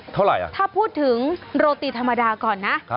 เท่าไหร่อ่ะถ้าพูดถึงโรตีธรรมดาก่อนนะ